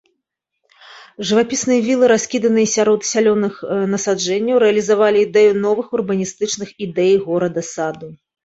Жывапісныя вілы, раскіданыя сярод зялёных насаджэнняў, рэалізавалі ідэю новых урбаністычных ідэй горада-саду.